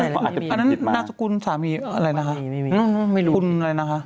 นั่นนัมสกุลจิตหารสามีอะไรนะคะ